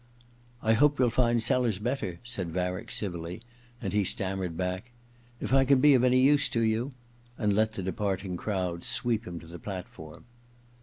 * I hope you'll find Sellers better,' s^d Varick civilly, and he stammered back :^ If I can be of any use to you ' and let the departing crowd sweep him to the platform.